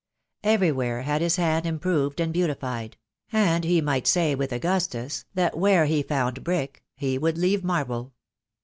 Everywhere had his hand improved and beautified; and he might say with Augustus that where he found brick he would leave marble.